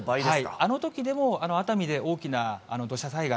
あのときでも、熱海で大きな土砂災害、